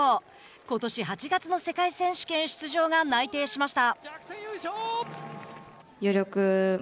ことし８月の世界選手権出場が内定しました。